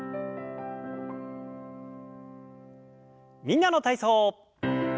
「みんなの体操」。